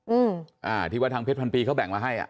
อืมอ่าที่ว่าทางเพชรพันปีเขาแบ่งมาให้อ่ะ